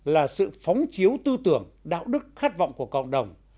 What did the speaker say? là sự phóng chiếu tư tưởng đạo đức khát vọng của cộng đồng